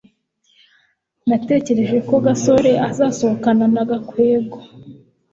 natekereje ko gasore azasohokana na gakwego